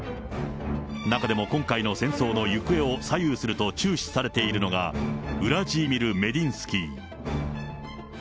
中でも今回の戦争の行方を左右すると注視されているのが、ウラジーミル・メディンスキー。